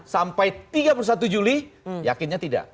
sampai tiga puluh satu juli yakinnya tidak